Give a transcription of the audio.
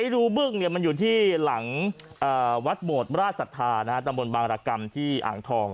รูบึ้งอยู่ที่หลังวัดหมดราชศาสตร์ตระบดบางรกรรมที่อ่างทอง